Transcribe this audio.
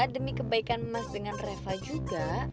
demi kebaikan emas dengan reva juga